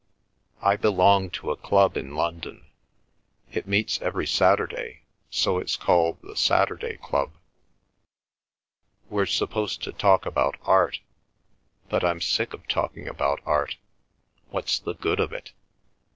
"I belong to a club in London. It meets every Saturday, so it's called the Saturday Club. We're supposed to talk about art, but I'm sick of talking about art—what's the good of it?